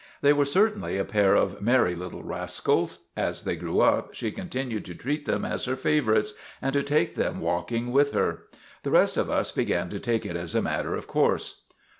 They were certainly a pair of merry little rascals. As they grew up she con tinued to treat them as her favorites, and to take them walking with her. The rest of us began to take it as a matter of course.